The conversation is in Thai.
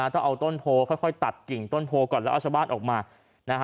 ต้องเอาต้นโพค่อยตัดกิ่งต้นโพก่อนแล้วเอาชาวบ้านออกมานะฮะ